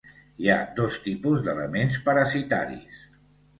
Hi ha dos tipus d'elements parasitaris.